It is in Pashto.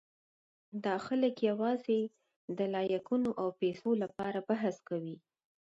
دا خلک یواځې د لایکونو او پېسو لپاره بحث کوي.